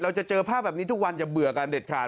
เราจะเจอภาพแบบนี้ทุกวันจะเบื่อกันเด็ดขาด